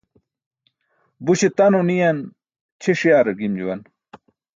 Buśe tano niyan ćʰiṣ yaare gim juwan.